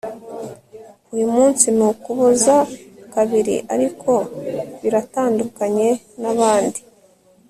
uyu munsi ni ukuboza kabiri ariko biratandukanye nabandi .